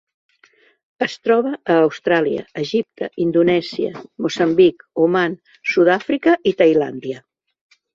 Es troba a Austràlia, Egipte, Indonèsia, Moçambic, Oman, Sud-àfrica i Tailàndia.